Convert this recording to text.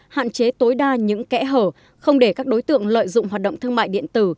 hạn chế tối đa những kẽ hở không để các đối tượng lợi dụng hoạt động thương mại điện tử